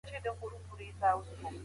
ستوري هم سترګک وهي په مینه مینه